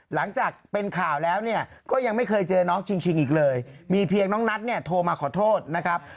หลังจากเป็นข่าวแล้วเนี่ยก็ยังไม่เคยเจอน้องชิงอีกเลยมีเพียงน้องนัทเนี่ยโทรมาขอโทษนะครับ